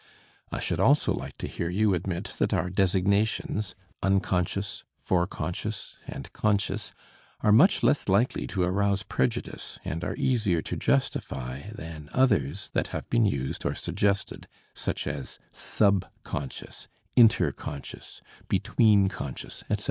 I should also like to hear you admit that our designations unconscious, fore conscious, and conscious are much less likely to arouse prejudice, and are easier to justify than others that have been used or suggested such as sub conscious, inter conscious, between conscious, etc.